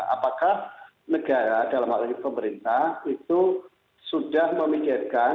apakah negara dalam hal ini pemerintah itu sudah memikirkan